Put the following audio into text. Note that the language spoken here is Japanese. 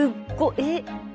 えっ！